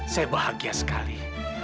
saya bahagia sekali